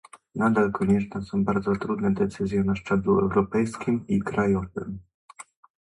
Nadal konieczne są bardzo trudne decyzje na szczeblu europejskim i krajowym